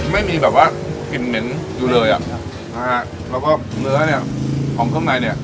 ไม่มีแบบว่ากลิ่นเหม็นอยู่เลยอ่ะนะฮะแล้วก็เนื้อเนี้ยของเครื่องในเนี้ย